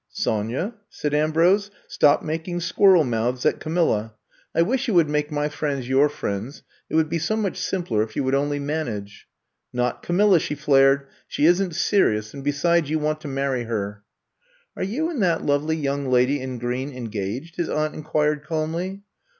Sonya," said Ambrose, stop making squirrel mouths at Camilla. I wish you I'VE COMB TO STAY 89 would make my friends your friends; it would be so much simpler if you would only manage. '*'' Not Camilla, '' she flared. *^ She is n »t serious, and besides, you want to marry her.^' Are you and that lovely young lady in green engaged?" his aunt inquired cahnly.